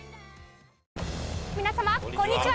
皆様こんにちは。